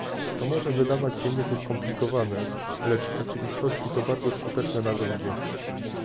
To może wydawać się nieco skomplikowane, lecz w rzeczywistości to bardzo skuteczne narzędzie